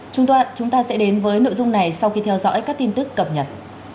chúng ta sẽ đến với nội dung này sau khi theo dõi các tin tức cập nhật